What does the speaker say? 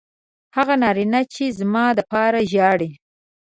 هغه نارینه چې زما دپاره ژاړي